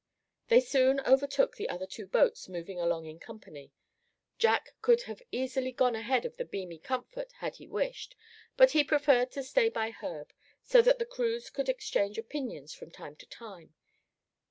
They soon overtook the other two boats moving along in company. Jack could have easily gone ahead of the beamy Comfort had he wished, but he preferred to stay by Herb, so that the crews could exchange opinions from time to time.